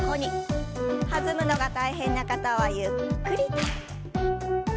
弾むのが大変な方はゆっくりと。